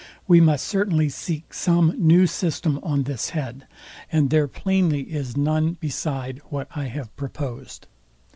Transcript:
We must certainly seek some new system on this head, and there plainly is none beside what I have proposed.